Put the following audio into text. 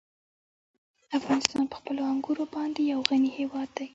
افغانستان په خپلو انګورو باندې یو غني هېواد دی.